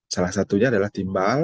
salah satunya adalah timbal